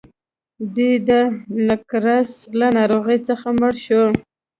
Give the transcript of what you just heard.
دی د نقرس له ناروغۍ څخه مړ شو.